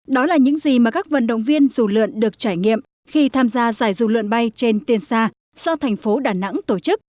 đó là những gì mà các vận động viên dù lượn được trải nghiệm khi tham gia giải dù lượn bay trên tiền xa do thành phố đà nẵng tổ chức